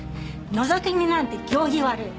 のぞき見なんて行儀悪い！